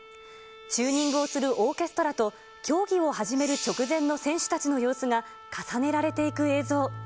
チューニングをするオーケストラと、競技を始める直前の選手たちの様子が、重ねられていく映像。